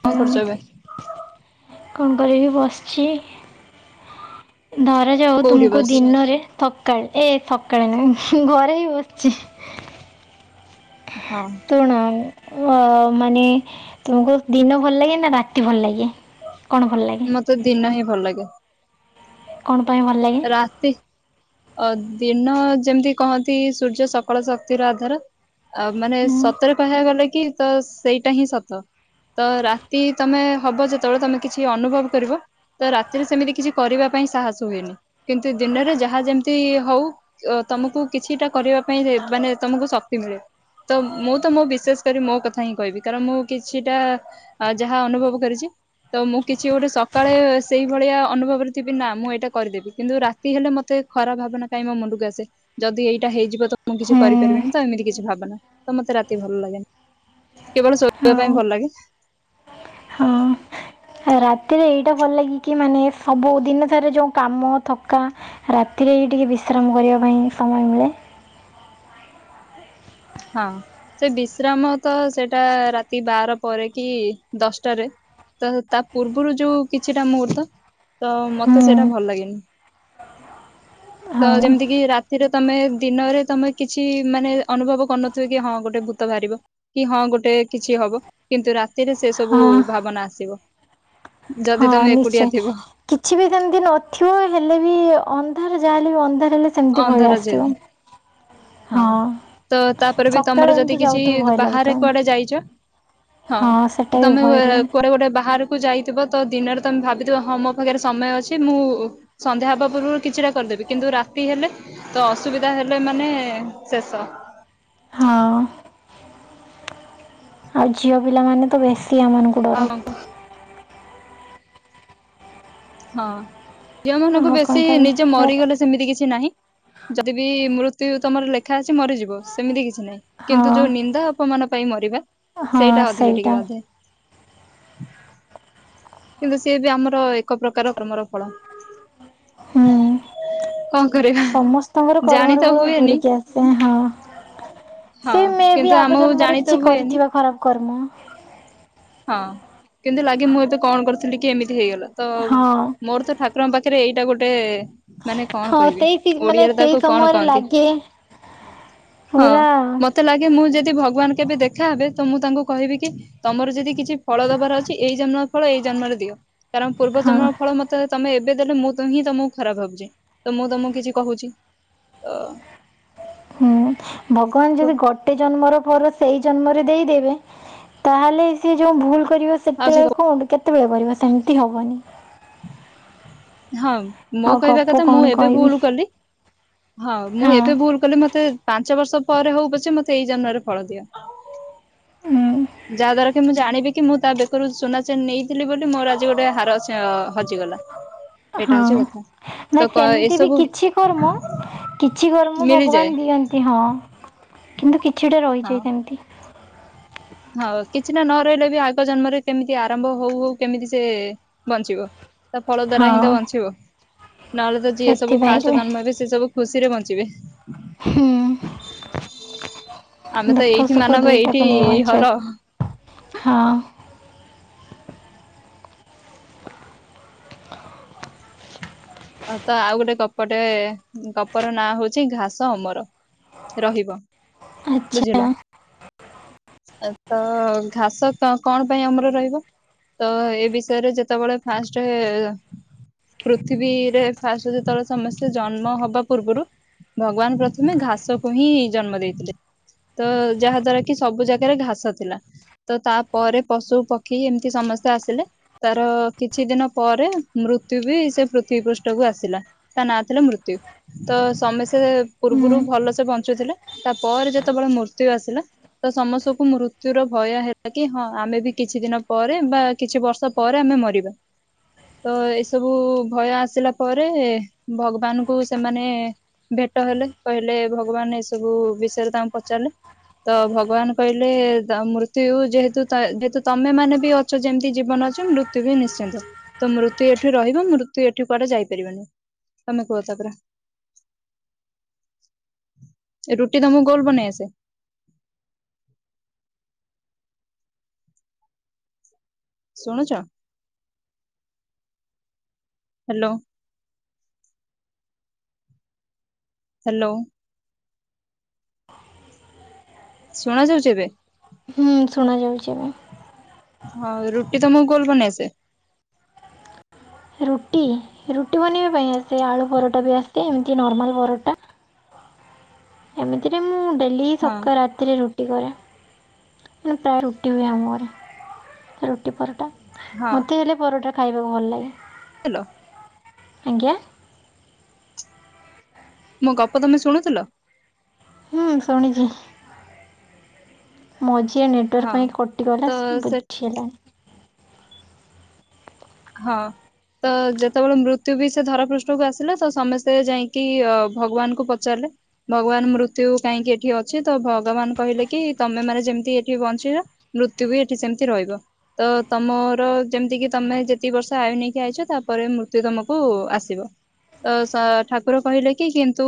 କଣ କରୁଚ ଏବେ? କଣ କରିବି ବସିଚି। ଧରାଯାଉ କୋଉଠି ତୁମକୁ ବସିଛ ଦିନରେ ଥ କାଳେ ଏ ସକାଳେ ନାହିଁ ଘରେ ହିଁ ବସଚି। ହଁ ଶୁଣୁ ଅ ମାନେ ତମକୁ ଦିନ ଭଲ ଲାଗେ ନା ରାତି ଭଲ ଲାଗେ? କ'ଣ ଭଲ ଲାଗେ ମତେ ଦିନ ହିଁ ଭଲ ଲାଗେ। କ'ଣ ପାଇଁ ଭଲ ଲାଗେ ରାତି ଅ ଦିନ ଯେମିତି କହନ୍ତି ସୂର୍ଯ୍ୟ ସକଳ ଶକ୍ତିର ଆଧାର। ଆଉ ମାନେ ହୁଁ, ସତରେ କହିବାକୁ ଗଲେ କି ତ ସେଇଟା ହିଁ ସତ। ତ ରାତି ତମେ ହବ ଯେତେବେଳେ ତମେ କିଛି ଅନୁଭବ କରିବ ତ ରାତିରେ ସେମିତି କିଛି କରିବା ପା ପାଇଁ ସାହସ ହୁଏନି। କିନ୍ତୁ ଦିନରେ ଯାହା ଯେମିତି ହଉ ଅ ତମକୁ କିଛିଟା କରିବା ପାଇଁ ଯେ ମାନେ ତମକୁ ସ [unintelligible] ତ ମୁଁ ତ ମୁଁ ବିଶେଷ କରି ମୋ କଥା ହିଁ କହିବି କାରଣ ମୁଁ କିଛିଟା ଆ ଯାହା ଅନୁଭବ କରିଚି। ତ ମୁଁ କିଛି ଗୋଟେ ସକାଳେ ସେଇ ଭଳିଆ ଅନୁଭବରେ ଥିବି ନା ମୁଁ ଏଇଟା କରିଦେବି। କିନ୍ତୁ ରାତି ହେଲେ ମତେ ଖରାପ ଭାବନା କାଇଁ ମୋ ମୁଣ୍ଡକୁ ଆସେ ଯଦି ଏଇଟା ହେଇଯିବ ତ ମୁଁ କିଛି ହୁଁ କରିପାରିବିନି ତ ଏମିତି କିଛି ଭାବନା ତ ମତେ ରାତି ଭଲ ଲାଗେନି। କେବଳ ଶୋଇବା ହଉ ପାଇଁ ଭଲ ଲାଗେ। ହଁ। ରାତିରେ ଏଇଟା ଭଲ ଲାଗ କି ମାନେ ସବୁ ଦିନ ସାରା ଯୋଉ କାମ ଥକା ରାତିରେ ଏଇ ଟିକେ ବିଶ୍ରାମ କରିବା ପାଇଁ ସମୟ ମିଳେ। ହଁ ସେ ବିଶ୍ରାମ ତ ସେଇଟା ରାତି ବାର ପରେ କି ଦଶଟାରେ। ତ ତା ପୂର୍ବରୁ ଯୋଉ କିଛିଟା ମୂହୁର୍ତ୍ତ? ତ ମତେ ହୁଁ ସେଇଟା ଭଲ ଲାଗେନି। ତ ହଁ ଯେମିତି କିି ରାତିରେ ତମେ ଦିନରେ ତମେ କିଛି ମାନେ ଅନୁଭବ କରିନଥିବେ କି ହଁ ଗୋଟେ ଭୂତ ବାହାରିବ କି ହଁ ଗୋଟେ କିଛି ହବ କିନ୍ତୁ ରାତିରେ ସେ ସବୁ ହଁ ଭାବ ଭାବନା ଆସିବ। ହଁ ଯଦି ତମେ ଏକୁଟିଆ ନିଶ୍ଚୟ ଥିବ କିଛି ବି ସେମିତି ନଥିବ ହେଲେ ବି ଅନ୍ଧାର ଯାହା ହେଲେ ବି ଅନ୍ଧାର ହେଲେ ସେମିତି ଭୟ ଅନ୍ଧାର ଯେହେତୁ ଆସିବନି। ହଁ ତ ତାପରେ ବି ତମର ସକାଳେ ଯଦି ଏମିତି କିଛି ଯାଉଥିବ ଭୟ ବାହାରେ କୁଆଡେ ଲାଗୁଥିବ। ଯାଇଛ ହଁ କି ତମେ ଏ କୁଆଡ଼େ ଗୋଟେ ବାହାର କୁ ଯାଇଥିବ ତ ଦିନରେ ତମେ ଭାବିଥିବ ହଁ ମୋ ପାଖରେ ସମୟ ଅଛି ମୁଁ ସନ୍ଧ୍ୟା ହବା ପୂର୍ବରୁ କିଛିଟା କରିି ଦେବି କିନ୍ତୁ ରାତି ହେଲେ ତ ଅସୁବିଧା ହେଲେ ମାନେ ଶେଷ। ହଁ। ଆଉ ଝିଅ ପିଲାମାନେ ତ ବେଶୀ ଏମାନଙ୍କୁ ଆଉ ଡର। କଣ ହଁ ଝିଅ ମାନଙ୍କୁ ଆଉ କଣ ବେଶୀ କହିବି ନିଜେ ହେ ମରିଗଲେ ସେମିତି କିଛି ନାହିଁ। ଯଦି ବିି ମୃତ୍ୟୁ ତମର ଲେଖା ଅଛି ମରିଯିବ ସେମିତି କିଛି ନାହିଁ। କିନ୍ତୁ ଯୋଉ ହଁ ନିନ୍ଦା ଅପମାନ ପାଇଁ ମରିବା ସେଇଟା ଅଧିକ ଟିକେ ବାଧେ। [inaudible] କିନ୍ତୁ ସିଏ ବି ଆମର ଏକ ପ୍ରକାର କର୍ମର ଫଳ। ହୁଁ। କଣ କରିବା ସମସ୍ତଙ୍କର ଜାଣି ତ କର୍ମର ବେଳ ହୁଏନି ଘୁରିକି ଆସେ ହଁ। ହଁ ସେ ମେ କିନ୍ତୁ ବି ଆଗ ଆମକୁ ଜନ୍ମରେ ଜାଣି ତ କିଛି ହୁଏନି କରିଥିବ ଖରାପ କର୍ମ। ହଁ କିନ୍ତୁ ଲାଗେ ମୁଁ ଏତ କଣ କରିଥିଲି କି ଏମିତି ହେଇଗଲା ତ ହଁ ମୋର ତ ଠାକୁ ରଙ୍କ ପାଖରେ ଏଇଟା ଗୋଟେ ମାନେ କଣ ହଁ କହିବି ସେଇ ସି ମାନେ ଓଡିଆରେ ସେଇ ତାକୁ କଣ ସମୟରେ କହନ୍ତି। ଲାଗେ ହଁ ପୁରା ମତେ ଲାଗେ ମୁଁ ଯଦି ଭଗବାନ କେବେ ଦେଖାହେବେ ତ ମୁଁ ତାଙ୍କୁ କହିବି କି ତମର ଯଦି କିଛି ଫଳ ଦବାର ଅଛି ଏଇ ଜନ୍ମର ଫଳ ଏଇ ଜନ୍ମରେ ଦିଅ କାରଣ ପୂର୍ବ ହଁ ଜନ୍ମର ଫଳ ମତେ ତମେ ଏ ବେ ଦେଲେ ମୁଁ ତ ହିଁ ତମକୁ ଖରାପ ଭାବୁଚି, ତ ମୁଁ ତମକୁ କିଛି କହୁଚି ତ ହୁଁ ଭଗବାନ ଯଦି କୁହ ଗୋଟେ ଜନ୍ମର ଘର ସେଇ ଜନ୍ମରେ ଦେଇଦେବେ ତାହେଲେ ସି ଯୋଉ ଭୁଲ କରିବ ଆଉ କିଛି ସେତେବେଳେ କହୁ କଣ କେତେବେଳେ କରିବ ସେମିତି ହବନି। ହଁ ମୋ ଆଉ କହିବା ଗପ କଥା ମୁଁ କଣ ଏବେ କହିବି ଭୁଲ କଲି। ହଁ ମୁଁ ଏବେ ଭୁଲ କଲି ମତେ ପାଞ୍ଚ ବର୍ଷ ପରେ ହଉ ପଛେ ମତେ ଏଇ ଜନ୍ମରେ ଫଳ ଦିଅ। ଉଁ, ଯାହା ଦ୍ଵାରା କି ମୁଁ ଜାଣିବି କି ମୁଁ ତା ବେକରୁ ସୁନା ଚେନ ନେଇଥିଲି ବୋଲି ମୋର ଆଜି ଗୋଟେ ହାର ସ ହଜି ଗଲା। ଏଇଟା ହଉଚି କଥା। ନାାଇ ତ ସେମିତି ବି ଏସବୁ କିଛି କର୍ମ କିଛି କର୍ମ ମିଳିଯାଏ ଭଗବାନ ଦିଅନ୍ତି ହଁ। କିନ୍ତୁ କିଛିଟା ହଁ ରହିଯାଏ ସେମିତି। ହଁ କିଛିଟା ନ ରହିଲେ ବି ଆଗ ଜନ୍ମରେ କେମିତି ଆରମ୍ଭ ହଉ ହଉ କେମିତି ସେ ବଞ୍ଚିବ? ତା ଫଳ ଦ୍ଵାରା ହିଁ ତ ହଁ ବଞ୍ଚିବ, ନହେଲେ ତ ଯିଏ ସବୁ ସେଥିପାଇଁ ଫାଷ୍ଟ ରେ ଜନ୍ମ ହେବି ସେ ସବୁ ଖୁସିରେ ବଞ୍ଚିବେ। ହୁଁ ଆମେ ତ ଦୁଃଖ ଏଇଠି ସୁଖ ମାନବ ଏଇଠି ଦୁଇଟାକୁ ନେଇ ହ ହଁ। ହ ତ ଆଉ ଗୋଟେ ଗପଟେ ଗପର ନାଁ ହଉଚି ଘାସ ଅମର। ରହିବ। ବୁଝିଲ। ଆଛା। ତ ଘାସ କ-କଣ ପାଇଁ ଅମର ରହିବ? ତ ଏ ବିଷୟରେ ଯେତେବେଳେ ଫାଷ୍ଟେ ପୃଥିବୀ ରେ ଫାଷ୍ଟେ ଯେତେବେଳେ ସମସ୍ତେ ଜନ୍ମ ହବା ପୂର୍ବରୁ ଭଗବାନ ପ୍ରଥମେ ଘାସକୁ ହିଁ ଜନ୍ମ ଦେଇଥିଲେ। ତ ଯାହା ଦ୍ଵାରା କି ସବୁ ଜାଗାରେ ଘାସ ଥିଲା। ତ ତାପରେ ପଶୁ ପକ୍ଷୀ ଏମିତି ସମ ସମସ୍ତେ ଆସିଲେ ତାର କିଛି ଦିନ ପରେ ମୃତ୍ୟୁ ବି ସେ ପୃଥିବୀ ପୃଶ୍ ଷ୍ଟକୁ ଆସିଲା ତା ନାଁ ଥିଲା ମୃତ୍ୟୁ। ତ ସମସ୍ତେ ହୁଁ ପୂର୍ବରୁ ଭଲସେ ବଞ୍ଚ ଞ୍ଚୂ ଥିଲେ। ତା ପରେ ଯେତେବେଳେ ମୃତ୍ୟୁ ଆସିଲା ତ ସମସ୍ତଙ୍କୁ ମୃତ୍ୟର ଭୟ ହେଲା କି ହଁ ଆମେ ଯଦି କିଛି ଦିନ ପରେ ବା କିଛି ବର୍ଷ ପରେ ଆମେ ମରିବା। ତ ଏସବୁ ଭୟ ଆସିଲା। ପରେ ଭଗବାନଙ୍କୁ ସେମାନେ ଭେଟ ହେଲେ କହିଲେ ଭଗବାନ ଏସବୁ ବିଷୟରେ ତାଙ୍କ ପଚାରିଲେ। ତ ଭଗବାନ କହିଲେ ତ ମୃତ୍ୟୁ ଯେହେତୁ ଯେହେତୁ ତମେ ମାନେ ବି ଅଛ ଯେମିତି ଜୀବନ ଅଛ ମୃତ୍ୟୁ ବି ନିଶ୍ଚିନ୍ତ ତ ମୃତ୍ୟୁ ଏଠି ରହିବ ମୃତ୍ୟୁ ଏଠୁ କୁଆଡ଼େ ଯାଇ ପାରିବନି। ତମେ କୁହ ତା ପରେ? ଏ ରୁଟି ତମୁକୁ ଗୋଲ ବନେଇ ଆସେ? ଶୁଣୁଚ, ହାଲୋ। ହାଲୋ। ଶୁଣା ଯାଉଛି ଏବେ? ହୁଁ ଶୁଣ ଯାଉଛି ଏବେ ହଁ, ରୁଟି ତମକୁ ଗୋଲ ବନେଇଆସେ? ରୁଟି ରୁଟି ବନେଇବା ପାଇଁ ଆସେ, ଆଳୁ ପରଟା ବି ଆସେ ଏମିତି ନର୍ମାଲ୍ ପରଟା ଏମିତିରେ ମୁଁ ଡେଲି ହଁ ସକାଳ ରାତିରେ ରୁଟି ରୁଟି କରେ ପ୍ରାୟ, ରୁଟି ହୁଏ ଆମ ଘରେ, ସେ ରୁଟି ପରଟା ମତେ ହେଲେ ପରଟା ଖାଇବାକୁ ଭଲ ଲାଗେ। ହାଲୋ। ଆଜ୍ଞା। ମୋ ଗପ ତମେ ଶୁଣୁଥିଲ? ହୁଁ ଶୁଣିଛି। ମଜ [unintelligible] କିଏ ହଁ ନେଟୱାର୍କ ପାଇଁ କଟିଗଲା, ତ ସେ ବୁଝି ହେଲାନି। ହଁ ତ ଯେତେବେଳେ ମୃତ୍ୟୁ ବି ସେ ଧରା ପୃଷ୍ଠ କୁ ଆସିଲା ତ ସମସ୍ତେ ଯାଇକି ଅ ଭଗବାନ ଙ୍କୁ ପଚାରିଲେ ଭଗବାନ ମୃତ୍ୟୁ କାହିଁକି ଏଠି ଅଛି ତ ଭଗବାନ କହିଲେ କି -ତମେ ମାନେ ଯେମିତି ଏଠି ବଞ୍ଚିଛ ମୃତ୍ୟୁ ବି ଏଠି ସେମିତି ରହିବ ତ, ତମର ଯେମିତି କିି ତମେ ଯେ ପ୍ରତି ବର୍ଷ ଆୟୁ ନେଇକି ଆଇଛ ତାପରେ ମୃତ୍ୟୁ ତମକୁ ଆସିବ। ତ ଠାକୁର କହିଲେ କି କିନ୍ତୁ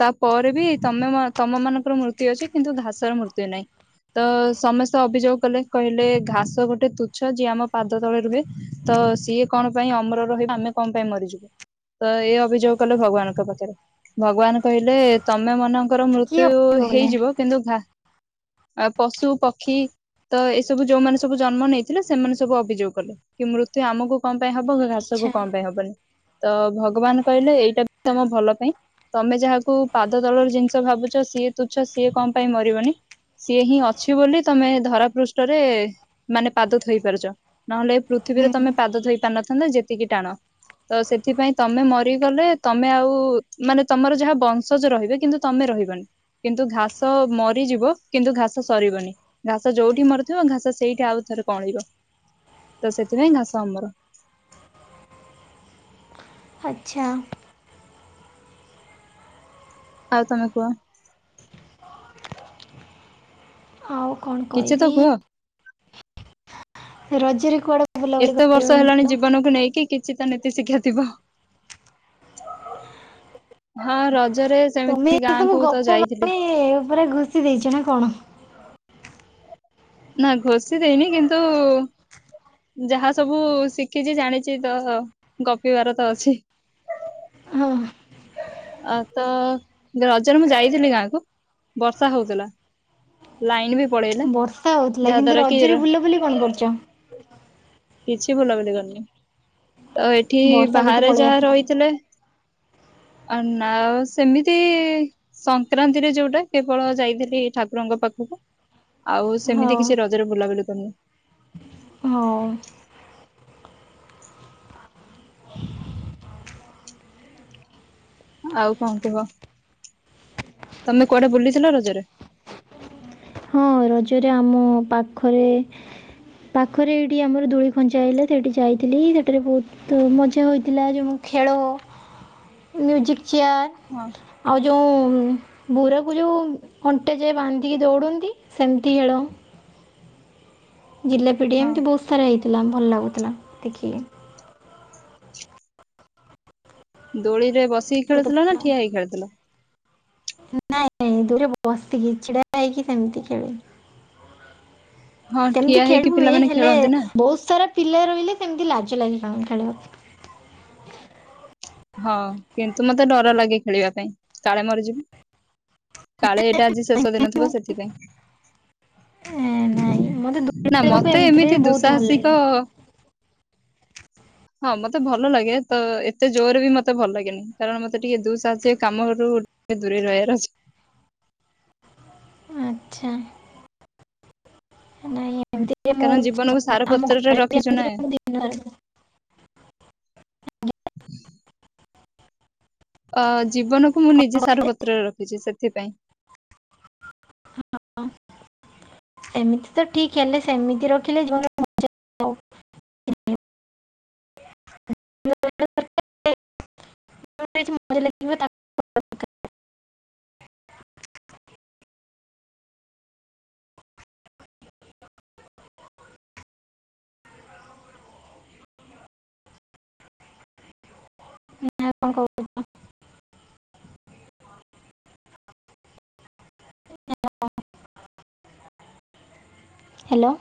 ତା ପରେ ବି ତମେ ତମ ମାନଙ୍କର ମୃତ୍ୟୁ ଅଛି। କିନ୍ତୁ ଘାସର ମୃତ୍ୟୁ ନାହିଁ। ତ ସମସ୍ତେ ଅଭିଯୋଗ କଲେ- କହିଲେ ଘାସ ଗୋଟେ ତୁଚ୍ଛ, ଯିଏ ଆମ ପାଦ ତଳେ ରୁହେ। ତ ସିଏ କଣ ପାଇଁ ଅମର ରହିବ, ଆମେ କଣ ପାଇଁ ମରିଯିବୁ? ତ ଏ ଅଭିଯୋଗ କଲେ ଭଗବାନଙ୍କ ପାଖରେ, ଭଗବାନ କହିଲେ ତମେ ମନ ଙ୍କର ମୃତ୍ୟୁ କିଏ କଟିଗଲେ ହେଇଯିବ କିନ୍ତୁ ପଶୁ ପକ୍ଷୀ ତ ଏସବୁ ଯୋଉମାନେ ସବୁ ଜନ୍ମ ନେଇଥିଲେ ସେମାନେ ସବୁ ଅଭିଯୋଗ କଲେ। କି ମୃତ୍ୟୁ ଆମକୁ କଣ ପାଇଁ ହବ କି ଘାସକୁ ଆଚ୍ଛା କଣ ପାଇଁ ହବନି? ତ ଭଗବାନ କହିଲେ ଏଇଟା ବି ତମ ଭଲ ପାଇଁ ତମେ ଯାହାକୁ ପାଦ ତଳର ଜିନିଷ ଭାବୁଛ ସିଏ ତୁଛ ସିଏ କଣ ପାଇଁ ମରିବନି? ସିଏ ହିଁ ଅଛି ବୋଲି ତମେ ଧରା ପୃଷ୍ଠରେ ମାନେ ପାଦ ଥୋଇପାରୁଛ ନହେଲେ ପୃଥିବୀରେ ତମେ ହୁଁ ପାଦ ଧୋଇ ପାରିନଥାନ୍ତ, ଯେତିକି ଟାଣ ତ ସେଥିପାଇଁ ତମେ ମରିଗଲେ ତମେ ଆଉ ମାନେ ତମର ଯାହା ବଂଶଜ ରହିବେ କିନ୍ତୁ ତମେ ରହିବନି କିନ୍ତୁ ଘାସ ମରିଯିବ କିନ୍ତୁ ଘାସ ସରିବନି ଘାସ ଯୋଉଠି ମରିଥିବ ଘାସ ସେଇଠି ଆଉ ଥରେ କଅଁଳିବ। ତ ସେଥିପାଇଁ ଘାସ ଆମର ଆଚ୍ଛା। ଆଉ ତମେ କୁହ? ଆଉ କଣ କିଛି ତ କହିବି? କୁହ ରଜରେ କୁଆଡ଼େ ବୁଲାବୁଲି ଏତେ କରିବା ବର୍ଷ ପାଇଁ ହେଲାଣି ଗଲ ଜୀବନକୁ ନେଇକି କିଛି ତ ନୀତି ଶିକ୍ଷା ଥିବ। ହଁ ରଜ ତମେ ସବୁ ଗପ ମାନେ ଉପରେ ଘୁସି ଦେଇଛ ନା କଣ ନା ଘଷି ଦେଇନି କିନ୍ତୁ ଯାହା ସବୁ ଶିଖିଛି ଜାଣିଛି ତ ଗପିବାର ତ ଅଛି। ଆଆଆ [unintelligible] ଅତ ରଜରେ ମୁଁ ଯାଇଥିଲି ଗାଁକୁ, ବର୍ଷା ହଉଥିଲା ଲାଇନି ବି ପଳେଇଲା ବର୍ଷା ହେଉଥିଲା ଯାହା କିନ୍ତୁ ଦ୍ଵାରା କି ରଜରେ ବୁଲାବୁଲି କଣ କରୁଛ କିଛି ବୁଲାବୁଲି କରିନି ତ ଏଠି ବର୍ଷା ଦେଖି ବାହାରେ ପଳେଇ ଯାହା ଆସିଲା। ରହିଥିଲେ। ସ [inaudible] ନା ସେମିତି ସଂକ୍ରାନ୍ତିରେ ଯୋଉଟା କେବଳ ଯାଇଥିଲି ଠାକୁରଙ୍କ ପାଖକୁ ଆଉ ସେମିତି ହଉ କିଛି ରଜରେ ବୁଲାବୁଲି କରିନି। ହଁ ଆଉ କଣ କୁହ? ତମେ କୁଆଡ଼େ ବୁଲିଥିଲ ରଜରେ? ହଁ ରଜରେ ଆମ ପାଖରେ ପାଖରେ ଏଇଠି ଆମର ଧୂଳି ଖଞ୍ଚା ହେଲା ସେଠି ଯାଇଥିଲି ସେଠରେ ବହୁତ ମଜା ହେଥିଲା ଯେ ମୁଁ ଖେଳ ମ୍ୟୁଜିକ୍ ଚେୟାର୍ ହଁ ଆଉ ଯେଉଁ ବୁରକୁ ଯୋଉ ଅଣ୍ଟେ ଯଏ ବାନ୍ଧିକି ଦୌଡନ୍ତି ସେମିତି ଖେଳ ଜିଲ୍ଲା ପିଢ଼ି ହଁ ଏମିତି ବହୁତ ସାରା ହେଇଥିଲା ଭଲ ଲାଗୁଥିଲା ଦେଖିକି। ଦୋଳିରେ ବସିକି ଛୋଟ ଖେଳୁଥିଲ ନା ପିଲା ଠିଆ ହୋଇ କି ଖେଳୁଥିଲ? ନାଇଁ ଦୋଳିରେ ବସିକି ଛିଡା ହେଇକି ସେମିତି ଖେଳେ ହଁ ଠିଆ ସେମତି ହେଇକି ଖେଳି ହୁଏ ପିଲାମାନେ ହେଲେ ଖେଳନ୍ତି ନା ବହୁତୁ ସାରା ପିଲା ରହିଲେ ସେମତି ଲାଗେ। ଚାଲ ଖେଳ। ହଁ କିନ୍ତୁ ମତେ ଡର ଲାଗେ ଖେଳିବା ପାଇଁ କାଳେ ମରିଯିବି। କାଳେ ଏଇଟା ଆଜି ଶେଷ ଦିନ ଥୀଵ ସେଥିପାଇଁ। ଏ, ନାଇଁ ମତେ ଦୋଳି ନା ଖେଳିବାକୁ ମତେ ଏମିତିରେ ବି ଏମିତି ବହୁତ ଭଲ ଦୁଃସାହାସିକ ଲାଗେ ହଁ ମତେ ଭଲ ଲାଗେ ତ ଏତେ ଜୋରରେ ବି ମୋତେ ଭଲ ଲାଗେନି କାରଣ ମତେ ଟିକେ ଦୁଃସାହାସିକ କାମରୁ ଦୂରେଇ ରହିବାର ଅଛି। ଆଚ୍ଛା। ନାଇଁ ମେତୀରେ ମୁ କାରଣ ଜୀବନକୁ ସାର ଆମ ପତ୍ରରେ ଘରେ ରଖିଛୁ ନା ଏମତି ରେ ମୁ [inaudible] ଆ ଜୀବନକୁ ମୁଁ ନିଜେ ସାରୁ ପତ୍ରରେ ରଖିଛି ସେଥିପାଇଁ। ହଁ। ଏମିତି ତ ଠିକ ହେଲେ ସେମିତି ରଖିଲେ ଜୋରେ ମଜା ଆ [unintelligible] ତମକୁ ଛୁଟୀ ମଜାଲା [unintelligible] ନାଆଉ କଅଣ [unintelligible] [unintelligible] ହ୍ରାଲୋ।